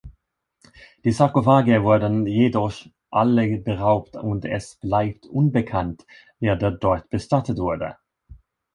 Die Sarkophage wurden jedoch alle beraubt und es bleibt unbekannt, wer dort bestattet wurde.